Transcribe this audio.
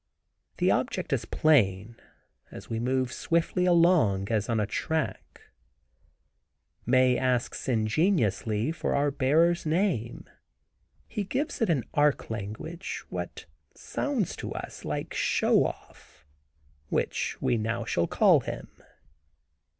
The object is plain, when we move swiftly along as on a track. Mae asks ingenuously her bearer's name; he gives it in Arc language, what sounds to us like "Show Off," which we shall now call him.